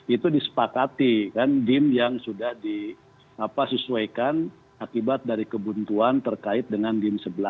itu disepakati kan dim yang sudah disesuaikan akibat dari kebuntuan terkait dengan dim sebelas